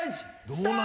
スタート。